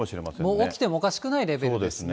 もう起きてもおかしくないレベルですね。